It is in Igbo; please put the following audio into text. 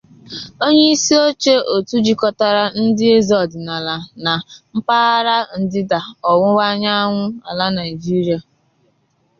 Onyeisioche òtù jikọtara ndị eze ọdịnala na mpaghara ndịda-ọwụwa anyanwụ ala Nigeria